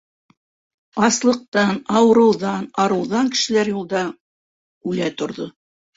Аслыҡтан, ауырыуҙан, арыуҙан кешеләр юлда үлә торҙо.